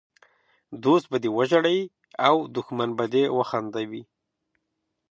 دوست به دې وژړوي او دښمن به دي وخندوي!